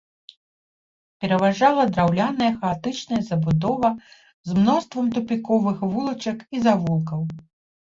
Пераважала драўляная хаатычная забудова з мноствам тупіковых вулачак і завулкаў.